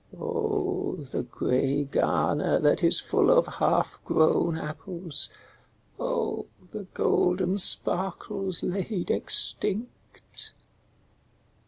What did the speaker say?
Oh, the grey garner that is full of half grown apples, Oh, the golden sparkles laid extinct